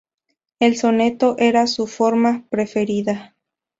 El soneto era su forma preferida.